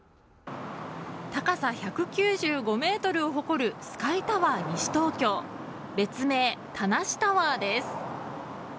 高さ１９５ｍを誇るスカイタワー西東京別名、田無タワーです。